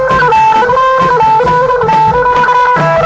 เพื่อรับความรับทราบของคุณ